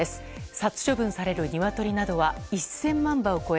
殺処分されるニワトリなどは１０００万羽を超え